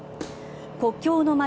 国境の街